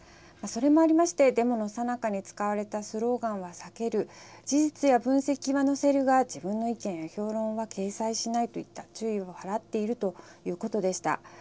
それもありましてデモのさなかに使われたスローガンは避ける事実や分析は載せるが自分の意見や評論は掲載しないといった注意を払っているということでした。